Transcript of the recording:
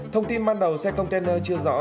thông tin ban đầu xe container chưa rõ